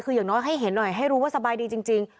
คืออย่างน้อยให้เห็นหน่อยให้รู้ว่าสบายดีจริง